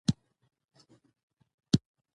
د کارېز خلک سره راپارېدل.